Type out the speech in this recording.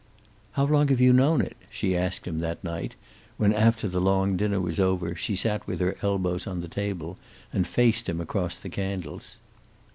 "How long have you known it?" she asked him that night, when, after the long dinner was over, she sat with her elbows on the table and faced him across the candles.